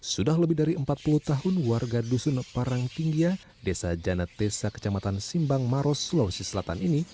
sudah lebih dari empat puluh tahun warga dusun parangkingia desa janat desa kecamatan simbang maros sulawesi selatan ini